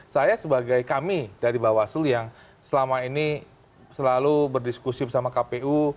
saya sebagai kami dari bawaslu yang selama ini selalu berdiskusi bersama kpu